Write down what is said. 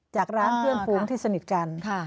จากร้านเพื่อนฟุ้งที่สนิทกัน